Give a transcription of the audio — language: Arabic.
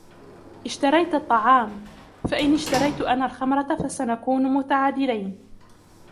اشتريتَ الطعام ، فإن اشتريتُ أنا الخمرة فسنكون متعادلين.